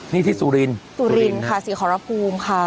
นี่ที่สุรินสุรินค่ะศรีขอรภูมิค่ะ